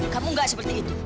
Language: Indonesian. kamu gak seperti itu